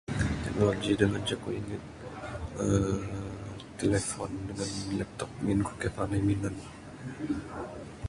Teknologi da ngancak aku ingeg uhh telefon dangan laptop ngin aku kaii panai minan.